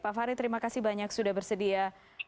pak farid terima kasih banyak sudah bersedia